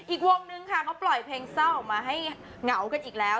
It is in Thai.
อีกวงนึงค่ะเขาปล่อยเพลงเศร้าออกมาให้เหงากันอีกแล้ว